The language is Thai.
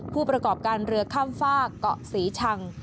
ผู้ประกอบการเรือข้ามฝากเกาะศรีชัง